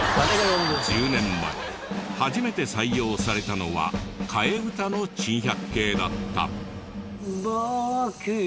１０年前初めて採用されたのは替え歌の珍百景だった。